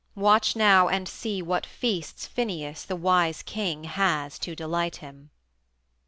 Watch now and see what feasts Phineus, the wise king, has to delight him."